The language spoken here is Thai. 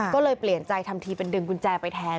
ก็เลยเปลี่ยนใจทำทีเป็นดึงกุญแจไปแทน